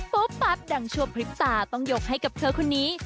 ปั๊บดังชั่วพริบตาต้องยกให้กับเธอคนนี้